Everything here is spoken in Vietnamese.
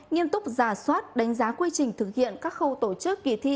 nghiêm túc giả soát đánh giá quy trình thực hiện các khâu tổ chức kỳ thi